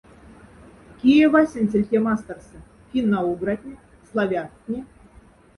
Кие васенцесель тя масторса — финно-угратне? славяттне?